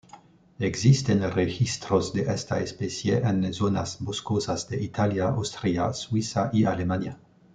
Existen registros de esta especie en zonas boscosas de Italia, Austria, Suiza y Alemania.